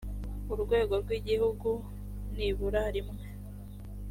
rwego rw igihugu nibura rimwe